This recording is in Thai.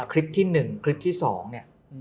คลิปที่หนึ่งคลิปที่สอง